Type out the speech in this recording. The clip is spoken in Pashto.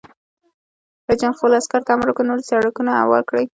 رئیس جمهور خپلو عسکرو ته امر وکړ؛ نوي سړکونه هوار کړئ!